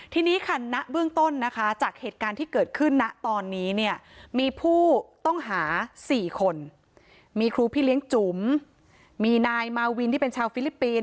ทีนี้คัณะเบื้องต้นจากเหตุการณ์ที่เกิดขึ้นตอนนี้